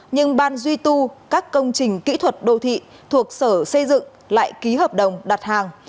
nhưng ban duy tu các công trình kỹ thuật đô thị thuộc sở xây dựng lại ký hợp đồng đặt hàng